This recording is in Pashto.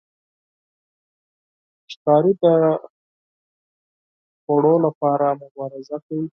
ښکاري د خوړو لپاره مبارزه کوي.